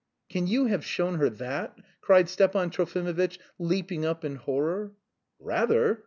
"Can you have shown her that?" cried Stepan Trofimovitch, leaping up in horror. "Rather!